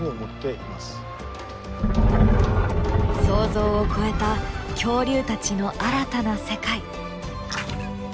想像を超えた恐竜たちの新たな世界。